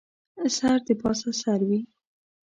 سر دې پاسه سر وي